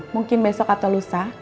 mungkin besok atau lusa